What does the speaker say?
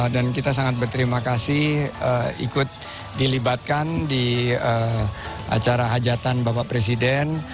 dan kita sangat berterima kasih ikut dilibatkan di acara hajatan bapak presiden